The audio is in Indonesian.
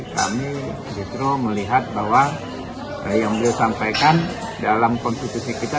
kami justru melihat bahwa yang beliau sampaikan dalam konstitusi kita